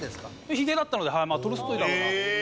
ヒゲだったのでトルストイだろうな。